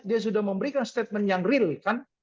dia sudah memberikan statement yang real kan